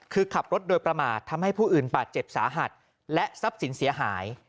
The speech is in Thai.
คือขับรถโดยประมาททำให้ผู้อื่นบาดเจ็บสาหัสและทรัพย์สินเสียหาย